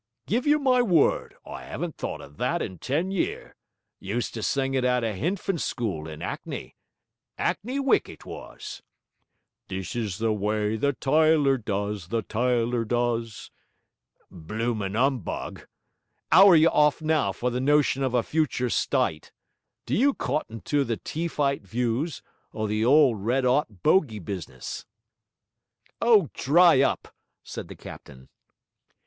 (Spoken) Give you my word, I 'aven't thought o' that in ten year; used to sing it at a hinfant school in 'Ackney, 'Ackney Wick it was. "This is the way the tyler does, the tyler does." (Spoken) Bloomin' 'umbug. 'Ow are you off now, for the notion of a future styte? Do you cotton to the tea fight views, or the old red 'ot boguey business?' 'Oh, dry up!' said the captain.